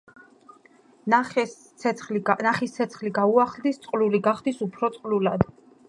ნახის, ცეცხლი გაუახლდის, წყლული გახდის უფრო წყლულად.